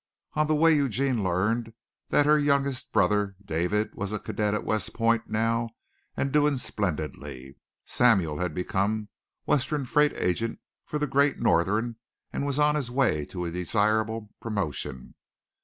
On the way Eugene learned that her youngest brother David was a cadet at West Point now and doing splendidly. Samuel had become western freight agent of the Great Northern and was on the way to desirable promotion.